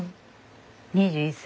２１歳。